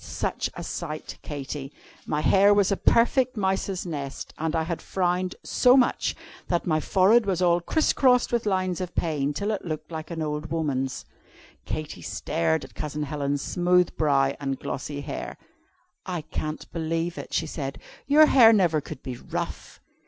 Such a sight, Katy! My hair was a perfect mouse's nest, and I had frowned so much that my forehead was all criss crossed with lines of pain, till it looked like an old woman's." Katy stared at Cousin Helen's smooth brow and glossy hair. "I can't believe it," she said; "your hair never could be rough."